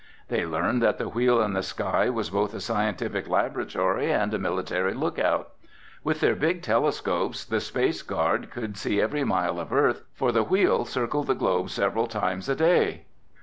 They learned that the Wheel in the Sky was both a scientific laboratory and a military lookout. With their big telescopes, the Space Guard could see every mile of Earth, for the Wheel circled the globe several times a day.